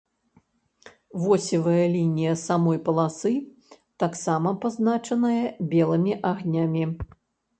Восевая лінія самой паласы таксама пазначаная белымі агнямі.